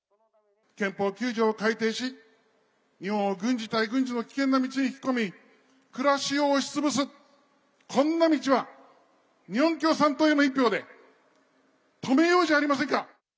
憲法９条を改定し、日本を軍事対軍事の危険な道に引き込み、暮らしを押しつぶす、こんな道は日本共産党への一票で、止めようじゃありませんか。